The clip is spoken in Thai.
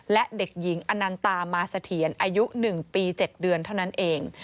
และเด็กหญิงอนันตามาเสถียรอายุ๑ปี๗เดือนเท่านั้นเอง